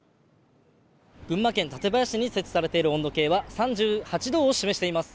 群馬県館林に設置されている温度計は３８度を示しています。